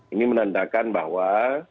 ini menandakan bahwa